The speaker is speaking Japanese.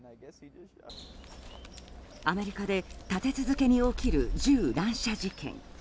アメリカで立て続けに起きる銃乱射事件。